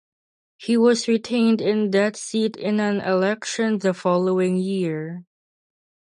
He was retained in that seat in an election the following year.